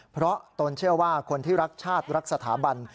เพราะตนเชื่อว่าคนที่รักชาติรักสถาบัน